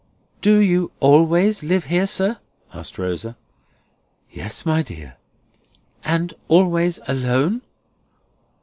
"Do you always live here, sir?" asked Rosa. "Yes, my dear." "And always alone?"